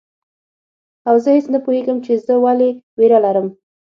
او زه هیڅ نه پوهیږم چي زه ولي ویره لرم